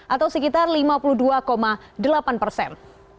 atau sekitar lima puluh dua delapan persen